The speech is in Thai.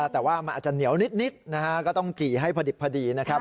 แต่ว่ามันอาจจะเหนียวนิดนะฮะก็ต้องจี่ให้พอดิบพอดีนะครับ